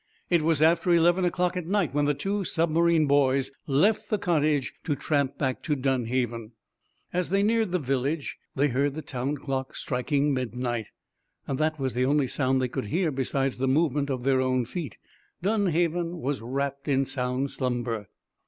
It was after eleven o'clock at night when the two submarine boys left the cottage to tramp back to Dunhaven. As they neared the village they heard the town clock striking midnight. That was the only sound they could hear besides the movement of their own feet. Dunhaven was wrapped in sound slumber.